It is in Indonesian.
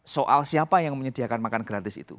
soal siapa yang menyediakan makan gratis itu